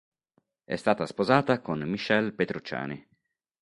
È stata sposata con Michel Petrucciani.